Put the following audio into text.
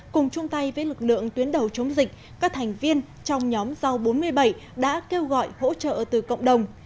cùng chung tay với lực lượng tuyến đầu chống dịch các thành viên trong nhóm rau bốn mươi bảy đã kêu gọi hỗ trợ từ cộng đồng